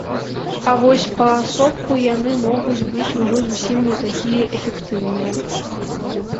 А вось паасобку яны могуць быць ужо зусім не такія эфектыўныя.